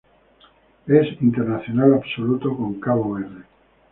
Es internacional absoluto con Cabo Verde.